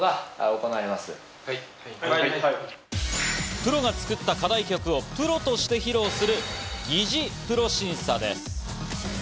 プロが作った課題曲をプロとして披露する擬似プロ審査です。